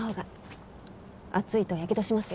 熱いとやけどしますよ。